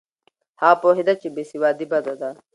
هغه پوهېده چې بې سوادي بده ده.